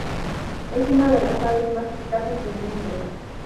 Es una de las aves más escasas del mundo.